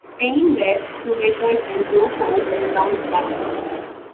Payne were shoemakers, and Joe Poe was the town's blacksmith.